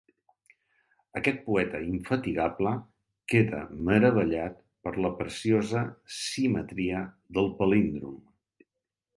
Aquest poeta infatigable queda meravellat per la preciosa simetria del palíndrom.